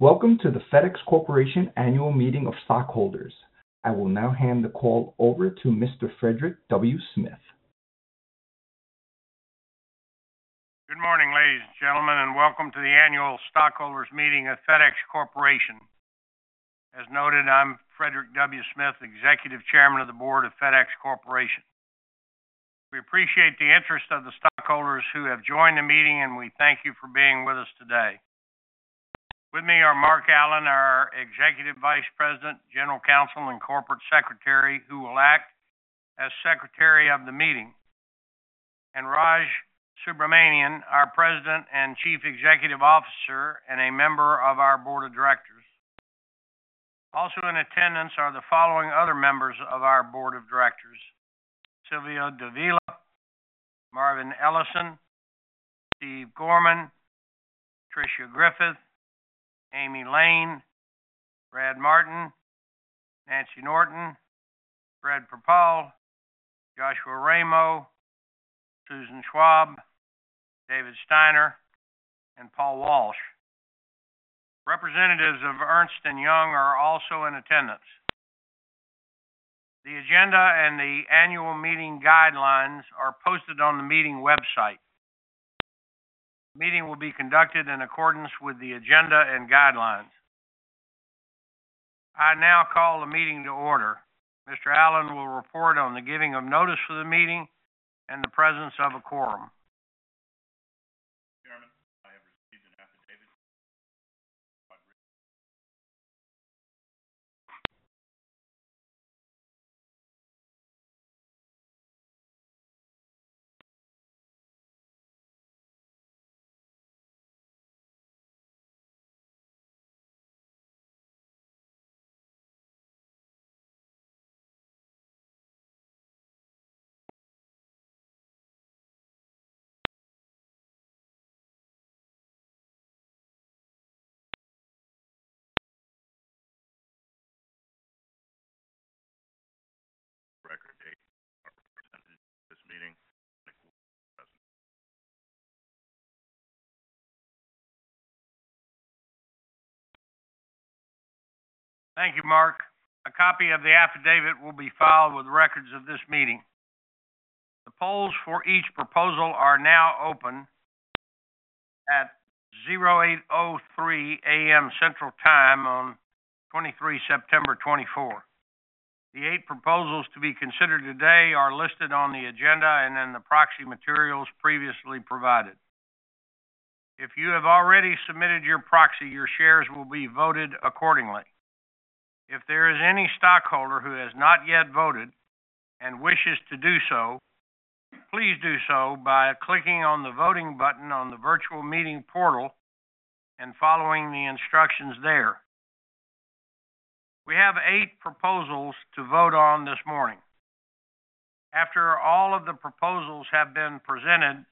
Welcome to the FedEx Corporation Annual Meeting of Stockholders. I will now hand the call over to Mr. Frederick W. Smith. Good morning, ladies and gentlemen, and welcome to the Annual Stockholders Meeting of FedEx Corporation. As noted, I'm Frederick W. Smith, Executive Chairman of the Board of FedEx Corporation. We appreciate the interest of the stockholders who have joined the meeting, and we thank you for being with us today. With me are Mark Allen, our Executive Vice President, General Counsel, and Corporate Secretary, who will act as Secretary of the meeting, and Raj Subramaniam, our President and Chief Executive Officer, and a member of our Board of Directors. Also in attendance are the following other members of our Board of Directors: Silvia Davila, Marvin Ellison, Steve Gorman, Tricia Griffith, Amy Lane, Brad Martin, Nancy Norton, Frederick P. Perpall, Joshua Ramo, Susan Schwab, David Steiner, and Paul Walsh. Representatives of Ernst & Young are also in attendance. The agenda and the annual meeting guidelines are posted on the meeting website. The meeting will be conducted in accordance with the agenda and guidelines. I now call the meeting to order. Mr. Allen will report on the giving of notice for the meeting and the presence of a quorum. Chairman, I have received an affidavit... Thank you, Mark. A copy of the affidavit will be filed with the records of this meeting. The polls for each proposal are now open at 8:03 A.M. Central Time on twenty-three September 2024. The eight proposals to be considered today are listed on the agenda and in the proxy materials previously provided. If you have already submitted your proxy, your shares will be voted accordingly. If there is any stockholder who has not yet voted and wishes to do so, please do so by clicking on the voting button on the virtual meeting portal and following the instructions there. We have eight proposals to vote on this morning. After all of the proposals have been presented,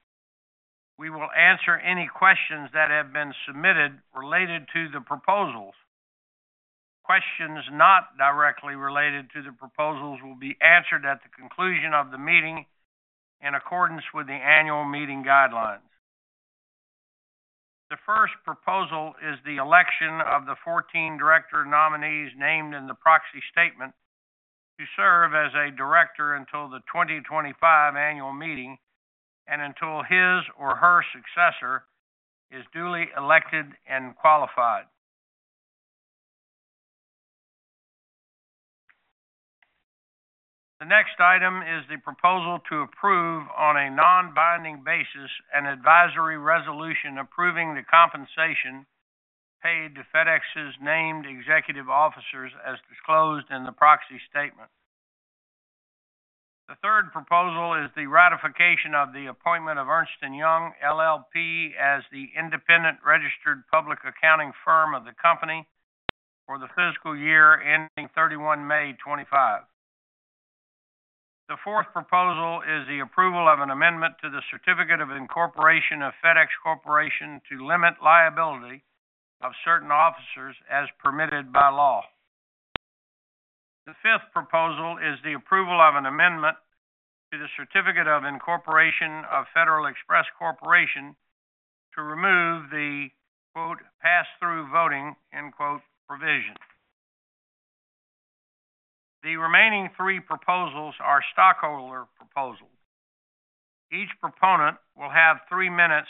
we will answer any questions that have been submitted related to the proposals. Questions not directly related to the proposals will be answered at the conclusion of the meeting, in accordance with the annual meeting guidelines. The first proposal is the election of the fourteen director nominees named in the proxy statement to serve as a director until the 2025 annual meeting and until his or her successor is duly elected and qualified. The next item is the proposal to approve, on a non-binding basis, an advisory resolution approving the compensation paid to FedEx's named executive officers as disclosed in the proxy statement. The third proposal is the ratification of the appointment of Ernst & Young LLP as the independent registered public accounting firm of the company for the fiscal year ending May 31, 2025. The fourth proposal is the approval of an amendment to the Certificate of Incorporation of FedEx Corporation to limit liability of certain officers as permitted by law. The fifth proposal is the approval of an amendment to the Certificate of Incorporation of Federal Express Corporation to remove the quote, Pass-through voting, end quote, provision. The remaining three proposals are stockholder proposals. Each proponent will have three minutes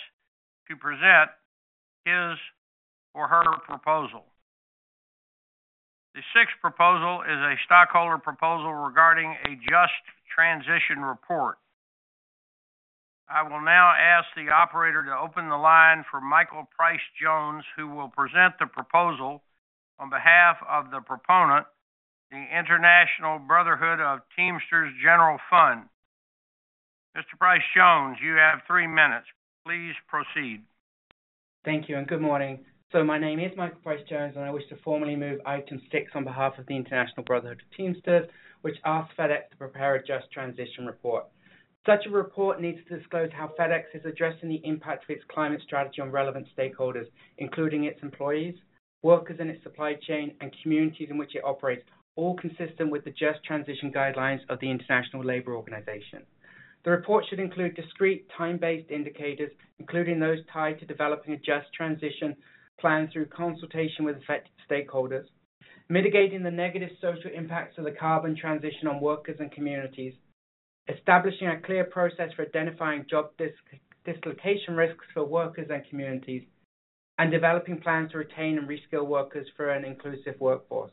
to present his or her proposal. The sixth proposal is a stockholder proposal regarding a Just Transition report. I will now ask the operator to open the line for Michael Pryce-Jones, who will present the proposal on behalf of the proponent, the International Brotherhood of Teamsters General Fund. Mr. Pryce-Jones, you have three minutes. Please proceed. Thank you and good morning. So my name is Michael Pryce-Jones, and I wish to formally move item six on behalf of the International Brotherhood of Teamsters, which asks FedEx to prepare a just transition report. Such a report needs to disclose how FedEx is addressing the impact of its climate strategy on relevant stakeholders, including its employees, workers in its supply chain, and communities in which it operates, all consistent with the just transition guidelines of the International Labor Organization. The report should include discrete time-based indicators, including those tied to developing a just transition plan through consultation with affected stakeholders, mitigating the negative social impacts of the carbon transition on workers and communities, establishing a clear process for identifying job dislocation risks for workers and communities, and developing plans to retain and reskill workers for an inclusive workforce.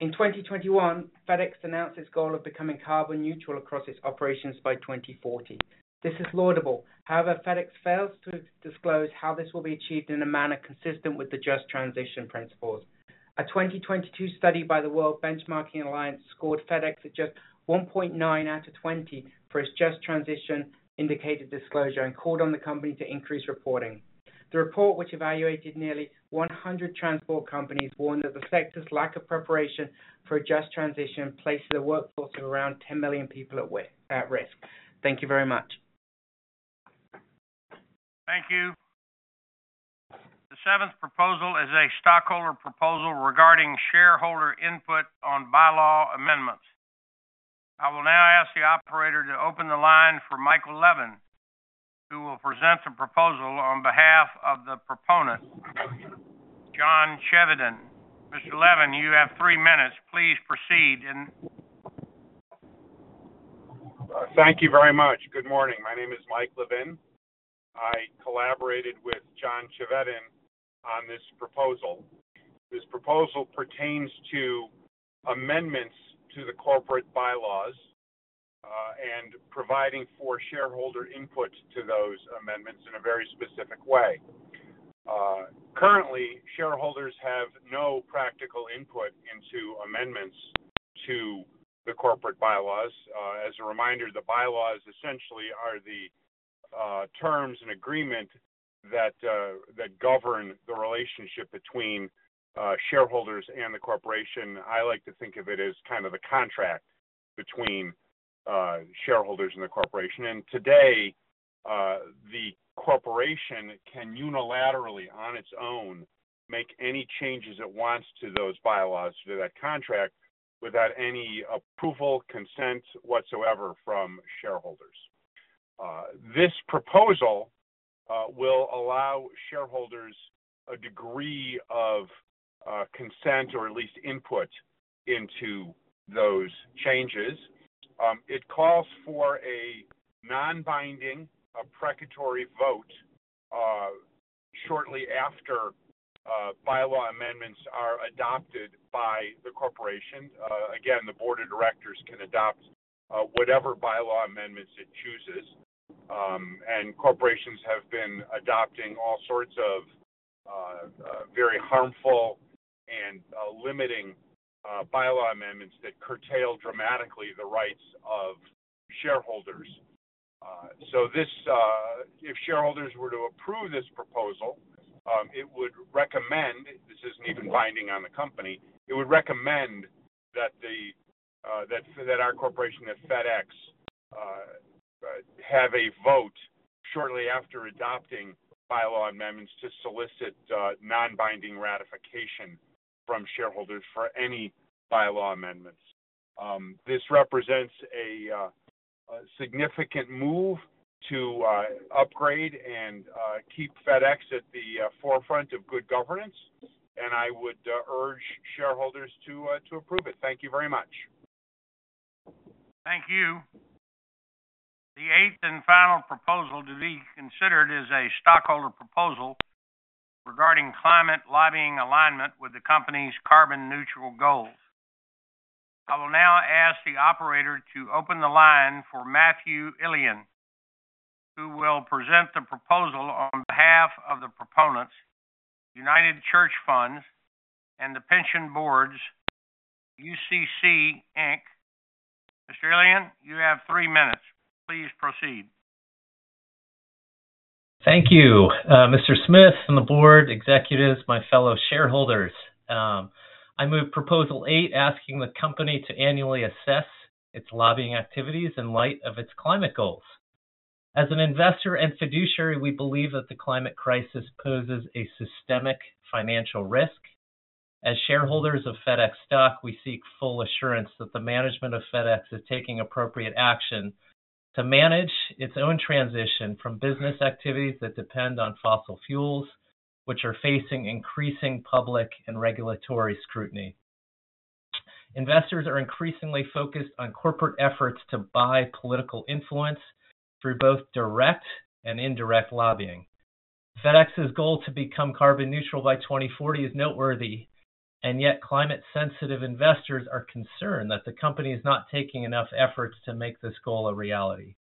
In 2021, FedEx announced its goal of becoming carbon neutral across its operations by 2040. This is laudable. However, FedEx fails to disclose how this will be achieved in a manner consistent with the Just Transition Principles. A 2022 study by the World Benchmarking Alliance scored FedEx at just 1.9 out of 20 for its just transition indicated disclosure and called on the company to increase reporting. The report, which evaluated nearly 100 transport companies, warned that the sector's lack of preparation for a just transition places a workforce of around 10 million people at risk. Thank you very much. Thank you. The seventh proposal is a stockholder proposal regarding shareholder input on bylaw amendments. I will now ask the operator to open the line for Mike Levin, who will present the proposal on behalf of the proponent, John Chevedden. Mr. Levin, you have three minutes. Please proceed and- Thank you very much. Good morning. My name is Mike Levin. I collaborated with John Chevedden on this proposal. This proposal pertains to amendments to the corporate bylaws, and providing for shareholder input to those amendments in a very specific way. Currently, shareholders have no practical input into amendments to the corporate bylaws. As a reminder, the bylaws essentially are the terms and agreement that govern the relationship between shareholders and the corporation. I like to think of it as kind of a contract between shareholders and the corporation. And today, the corporation can unilaterally, on its own, make any changes it wants to those bylaws, to that contract, without any approval, consent whatsoever from shareholders. This proposal will allow shareholders a degree of consent or at least input into those changes. It calls for a non-binding precatory vote shortly after bylaw amendments are adopted by the corporation. Again, the board of directors can adopt whatever bylaw amendments it chooses. And corporations have been adopting all sorts of very harmful and limiting bylaw amendments that curtail dramatically the rights of shareholders. So this, if shareholders were to approve this proposal, it would recommend, this isn't even binding on the company, it would recommend that our corporation at FedEx have a vote shortly after adopting bylaw amendments to solicit non-binding ratification from shareholders for any bylaw amendments. This represents a significant move to upgrade and keep FedEx at the forefront of good governance, and I would urge shareholders to approve it. Thank you very much. Thank you. The eighth and final proposal to be considered is a stockholder proposal regarding climate lobbying alignment with the company's carbon neutral goals. I will now ask the operator to open the line for Matthew Illian, who will present the proposal on behalf of the proponents, United Church Funds and the Pension Boards, UCC, Inc. Mr. Illian, you have three minutes. Please proceed. Thank you. Mr. Smith and the board executives, my fellow shareholders, I move proposal eight, asking the company to annually assess its lobbying activities in light of its climate goals. As an investor and fiduciary, we believe that the climate crisis poses a systemic financial risk. As shareholders of FedEx stock, we seek full assurance that the management of FedEx is taking appropriate action to manage its own transition from business activities that depend on fossil fuels, which are facing increasing public and regulatory scrutiny. Investors are increasingly focused on corporate efforts to buy political influence through both direct and indirect lobbying. FedEx's goal to become carbon neutral by 2040 is noteworthy, and yet climate-sensitive investors are concerned that the company is not taking enough efforts to make this goal a reality.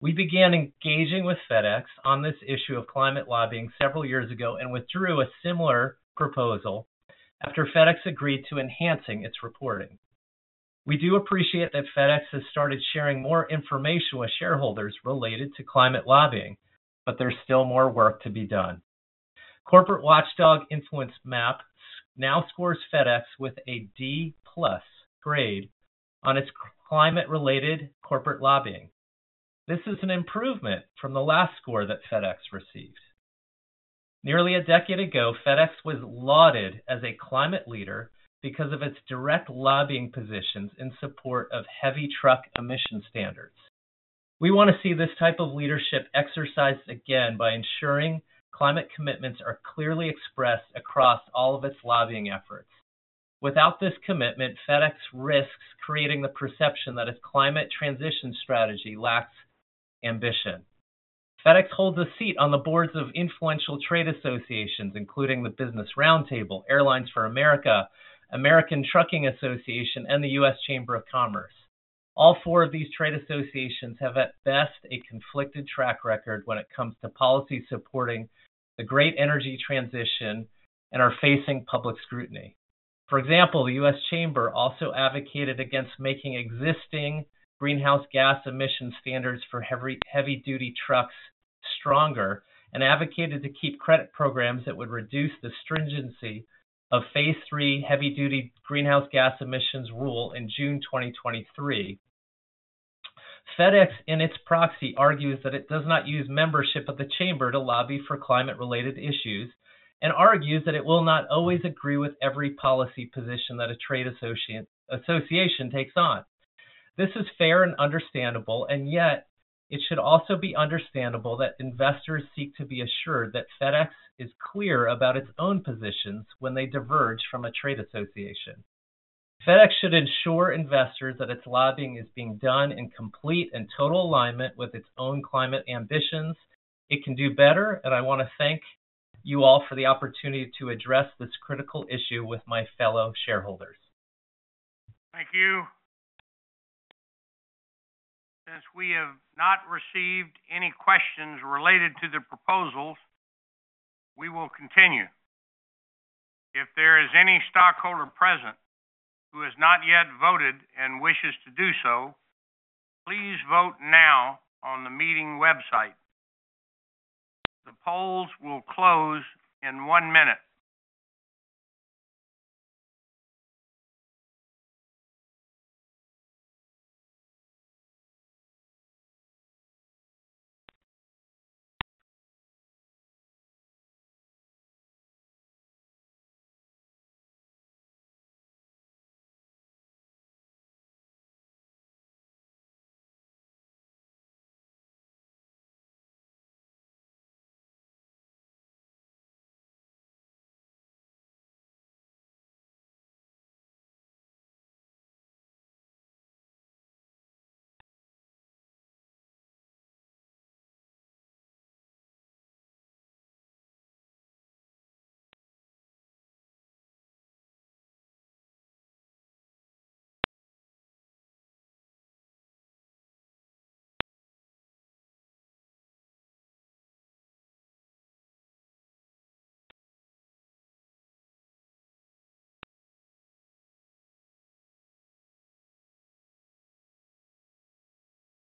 We began engaging with FedEx on this issue of climate lobbying several years ago and withdrew a similar proposal after FedEx agreed to enhancing its reporting. We do appreciate that FedEx has started sharing more information with shareholders related to climate lobbying, but there's still more work to be done. Corporate watchdog InfluenceMap now scores FedEx with a D plus grade on its climate-related corporate lobbying. This is an improvement from the last score that FedEx received.... Nearly a decade ago, FedEx was lauded as a climate leader because of its direct lobbying positions in support of heavy truck emission standards. We want to see this type of leadership exercised again by ensuring climate commitments are clearly expressed across all of its lobbying efforts. Without this commitment, FedEx risks creating the perception that its climate transition strategy lacks ambition. FedEx holds a seat on the boards of influential trade associations, including the Business Roundtable, Airlines for America, American Trucking Associations, and the US Chamber of Commerce. All four of these trade associations have, at best, a conflicted track record when it comes to policy supporting the great energy transition and are facing public scrutiny. For example, the US Chamber also advocated against making existing greenhouse gas emission standards for heavy heavy-duty trucks stronger and advocated to keep credit programs that would reduce the stringency of phase three heavy-duty greenhouse gas emissions rule in June twenty twenty-three. FedEx, in its proxy, argues that it does not use membership of the chamber to lobby for climate-related issues and argues that it will not always agree with every policy position that a trade association takes on. This is fair and understandable, and yet it should also be understandable that investors seek to be assured that FedEx is clear about its own positions when they diverge from a trade association. FedEx should ensure investors that its lobbying is being done in complete and total alignment with its own climate ambitions. It can do better, and I want to thank you all for the opportunity to address this critical issue with my fellow shareholders. Thank you. Since we have not received any questions related to the proposals, we will continue. If there is any stockholder present who has not yet voted and wishes to do so, please vote now on the meeting website. The polls will close in one minute.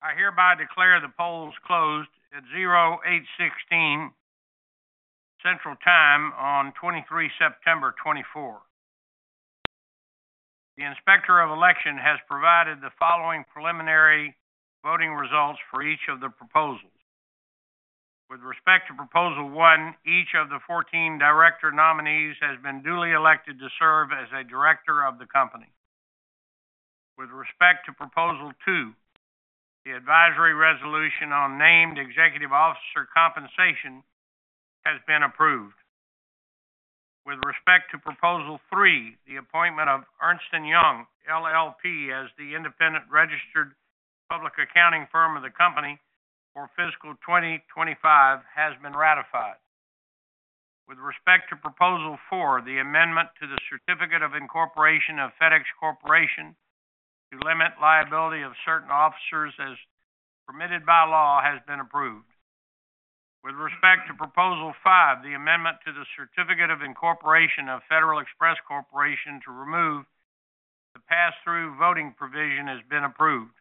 I hereby declare the polls closed at 8:16 A.M. Central Time on twenty-three September 2024. The Inspector of Election has provided the following preliminary voting results for each of the proposals. With respect to proposal one, each of the 14 director nominees has been duly elected to serve as a director of the company. With respect to proposal two, the advisory resolution on named executive officer compensation has been approved. With respect to proposal three, the appointment of Ernst & Young LLP as the independent registered public accounting firm of the company for fiscal twenty twenty-five has been ratified. With respect to proposal four, the amendment to the Certificate of Incorporation of FedEx Corporation to limit liability of certain officers as permitted by law, has been approved. With respect to proposal five, the amendment to the Certificate of Incorporation of Federal Express Corporation to remove the pass-through voting provision has been approved.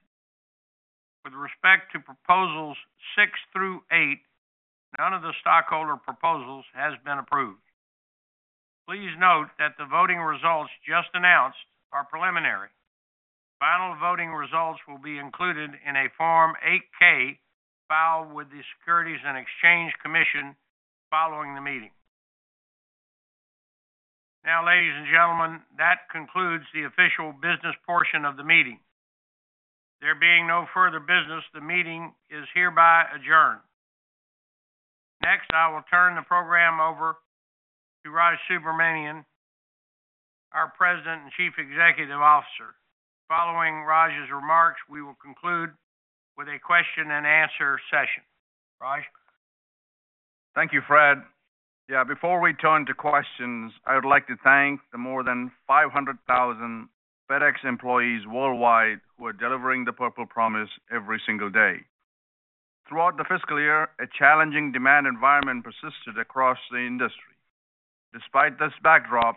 With respect to proposals six through eight, none of the stockholder proposals has been approved. Please note that the voting results just announced are preliminary. Final voting results will be included in a Form 8-K filed with the Securities and Exchange Commission following the meeting. Now, ladies and gentlemen, that concludes the official business portion of the meeting. There being no further business, the meeting is hereby adjourned. Next, I will turn the program over to Raj Subramaniam, our President and Chief Executive Officer. Following Raj's remarks, we will conclude with a question-and-answer session. Raj? Thank you, Fred. Yeah, before we turn to questions, I would like to thank the more than 500,000 FedEx employees worldwide who are delivering the Purple Promise every single day. Throughout the fiscal year, a challenging demand environment persisted across the industry. Despite this backdrop,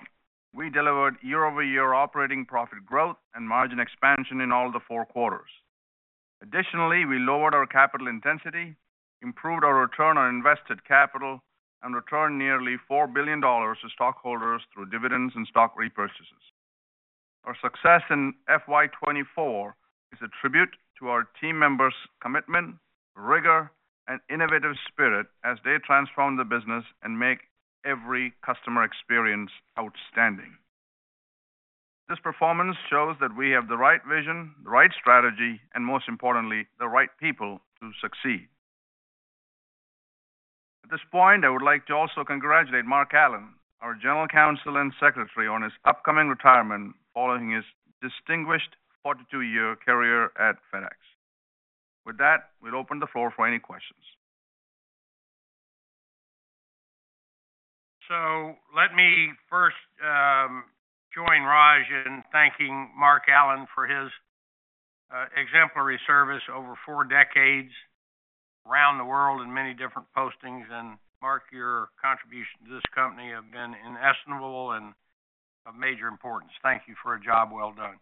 we delivered year-over-year operating profit growth and margin expansion in all the four quarters. Additionally, we lowered our capital intensity, improved our return on invested capital, and returned nearly $4 billion to stockholders through dividends and stock repurchases. Our success in FY 2024 is a tribute to our team members' commitment, rigor, and innovative spirit as they transform the business and make every customer experience outstanding. This performance shows that we have the right vision, the right strategy, and most importantly, the right people to succeed. At this point, I would like to also congratulate Mark Allen, our General Counsel and Secretary, on his upcoming retirement following his distinguished forty-two-year career at FedEx. With that, we'll open the floor for any questions. So let me first join Raj in thanking Mark Allen for his exemplary service over four decades around the world in many different postings. And Mark, your contribution to this company have been inestimable and of major importance. Thank you for a job well done.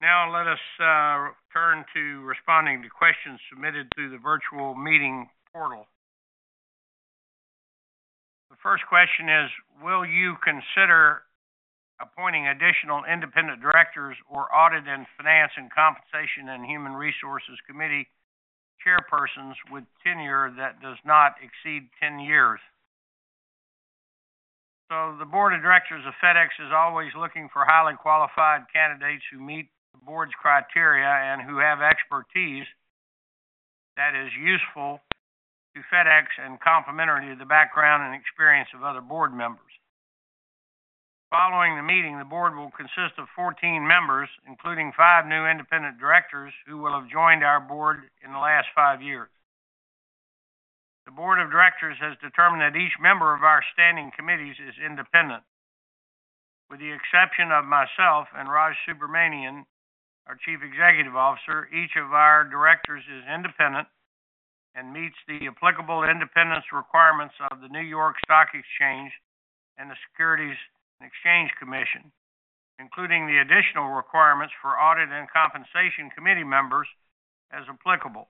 Now let us turn to responding to questions submitted through the virtual meeting portal. The first question is: Will you consider appointing additional independent directors or audit and finance and compensation and human resources committee chairpersons with tenure that does not exceed ten years? So the board of directors of FedEx is always looking for highly qualified candidates who meet the board's criteria and who have expertise that is useful to FedEx and complementary to the background and experience of other board members. Following the meeting, the board will consist of fourteen members, including five new independent directors, who will have joined our board in the last five years. The board of directors has determined that each member of our standing committees is independent. With the exception of myself and Raj Subramaniam, our Chief Executive Officer, each of our directors is independent and meets the applicable independence requirements of the New York Stock Exchange and the Securities and Exchange Commission, including the additional requirements for audit and compensation committee members as applicable,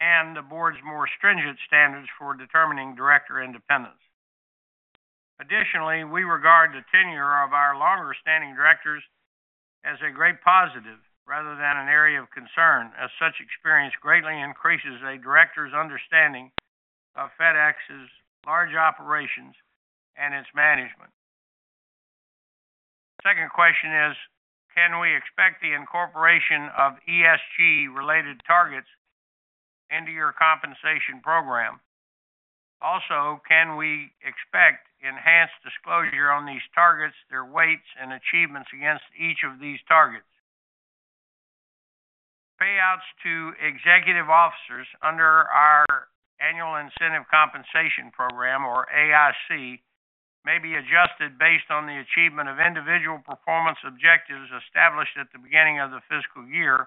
and the board's more stringent standards for determining director independence. Additionally, we regard the tenure of our longer-standing directors as a great positive rather than an area of concern, as such experience greatly increases a director's understanding of FedEx's large operations and its management. Second question is: Can we expect the incorporation of ESG-related targets into your compensation program? Also, can we expect enhanced disclosure on these targets, their weights, and achievements against each of these targets? Payouts to executive officers under our annual incentive compensation program, or AIC, may be adjusted based on the achievement of individual performance objectives established at the beginning of the fiscal year,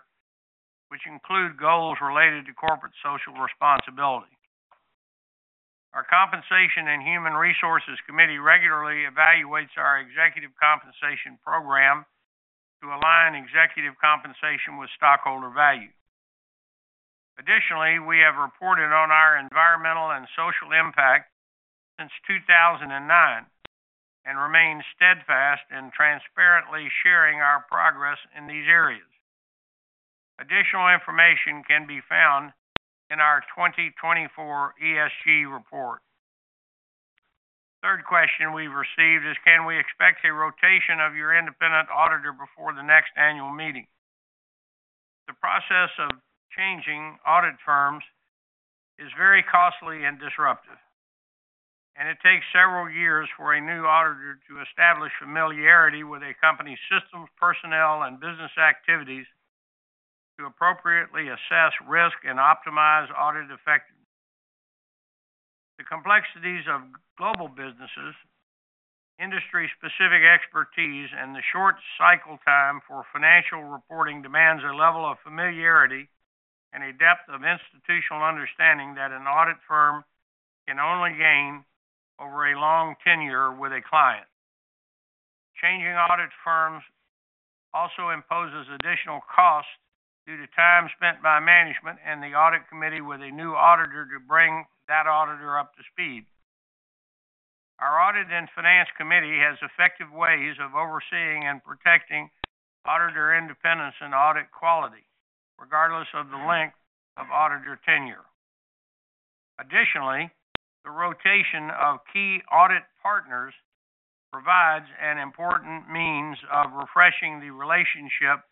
which include goals related to corporate social responsibility. Our Compensation and Human Resources Committee regularly evaluates our executive compensation program to align executive compensation with stockholder value. Additionally, we have reported on our environmental and social impact since 2009 and remain steadfast in transparently sharing our progress in these areas. Additional information can be found in our 2024 ESG report. Third question we've received is: Can we expect a rotation of your independent auditor before the next annual meeting? The process of changing audit firms is very costly and disruptive, and it takes several years for a new auditor to establish familiarity with a company's systems, personnel, and business activities to appropriately assess risk and optimize audit effectiveness. The complexities of global businesses, industry-specific expertise, and the short cycle time for financial reporting demands a level of familiarity and a depth of institutional understanding that an audit firm can only gain over a long tenure with a client. Changing audit firms also imposes additional costs due to time spent by management and the audit committee with a new auditor to bring that auditor up to speed. Our Audit and Finance Committee has effective ways of overseeing and protecting auditor independence and audit quality, regardless of the length of auditor tenure. Additionally, the rotation of key audit partners provides an important means of refreshing the relationship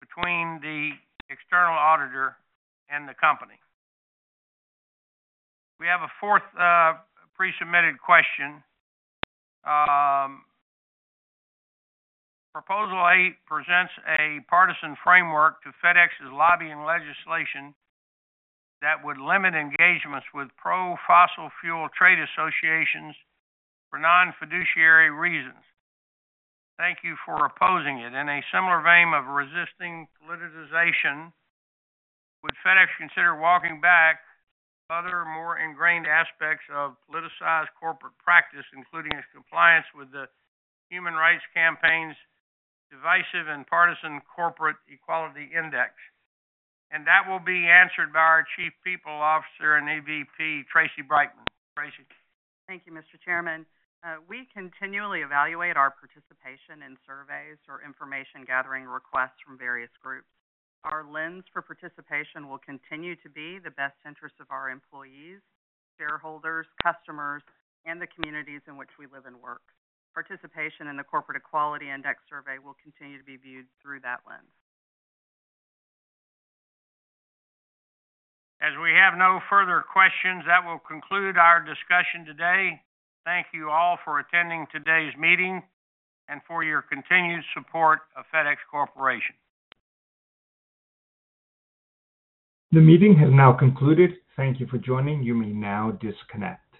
between the external auditor and the company. We have a fourth pre-submitted question. Proposal eight presents a partisan framework to FedEx's lobbying legislation that would limit engagements with pro-fossil fuel trade associations for non-fiduciary reasons. Thank you for opposing it. In a similar vein of resisting politicization, would FedEx consider walking back other more ingrained aspects of politicized corporate practice, including its compliance with the Human Rights Campaign's divisive and partisan Corporate Equality Index? And that will be answered by our Chief People Officer and AVP, Tracy Brightman. Tracy? Thank you, Mr. Chairman. We continually evaluate our participation in surveys or information gathering requests from various groups. Our lens for participation will continue to be the best interest of our employees, shareholders, customers, and the communities in which we live and work. Participation in the Corporate Equality Index survey will continue to be viewed through that lens. As we have no further questions, that will conclude our discussion today. Thank you all for attending today's meeting and for your continued support of FedEx Corporation. The meeting has now concluded. Thank you for joining. You may now disconnect.